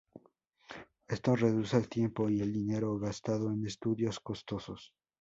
Esto reduce el tiempo y el dinero gastado en estudios costosos.